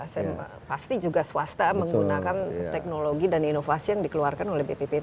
saya pasti juga swasta menggunakan teknologi dan inovasi yang dikeluarkan oleh bppt